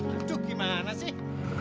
aduh gimana sih